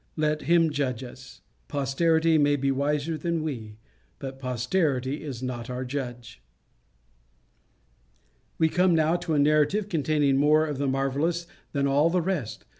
Let him judge us. Posterity may be wiser than we; but posterity is not our judge. We come now to a narrative containing more of the marvellous than all the rest.